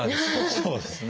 そうですね。